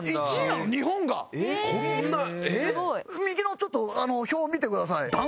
右のちょっと表見てください。